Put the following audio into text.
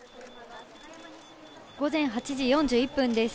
午前８時４１分です。